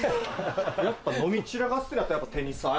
やっぱ飲み散らかすってなったらやっぱ。